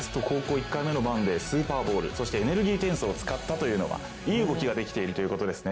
１回目の番でスーパーボールそしてエネルギー転送を使ったというのがいい動きができているということですね。